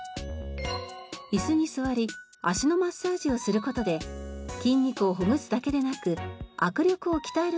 椅子に座り足のマッサージをする事で筋肉をほぐすだけでなく握力を鍛える事にもつながります。